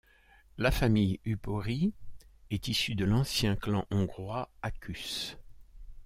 La famille Upori est issue de l'ancien clan hongrois Akus.